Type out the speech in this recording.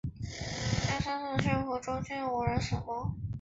这三次事故中均无人死亡。